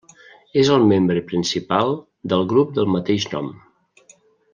És el membre principal del grup del mateix nom.